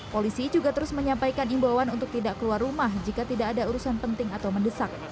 polisi juga terus menyampaikan imbauan untuk tidak keluar rumah jika tidak ada urusan penting atau mendesak